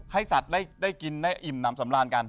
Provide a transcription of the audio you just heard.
สัตว์ได้กินได้อิ่มน้ำสำราญกัน